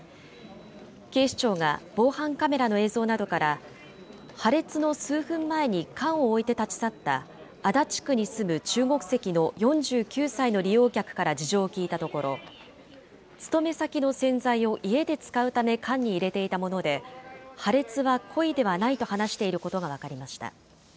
警視庁が防犯カメラの映像などから、破裂の数分前に缶を置いて立ち去った、足立区に住む中国籍の４９歳の利用客から事情を聴いたところ、勤め先の洗剤を家で使うため缶に入れていたもので、破裂は故意ではないと話していることが分かりました。